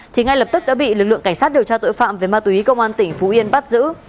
thì ngay lập tức đã bị lực lượng cảnh sát điều tra tội phạm về ma túy công an tỉnh phú yên bắt giữ